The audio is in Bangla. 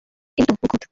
এই তো, নিখুঁত।